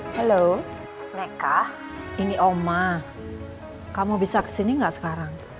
halo meka ini oma kamu bisa kesini enggak sekarang